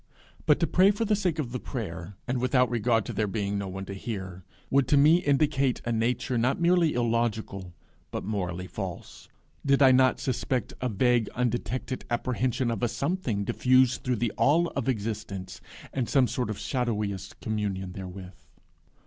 But to pray for the sake of the prayer, and without regard to there being no one to hear, would to me indicate a nature not merely illogical but morally false, did I not suspect a vague undetected apprehension of a Something diffused through the All of existence, and some sort of shadowiest communion therewith.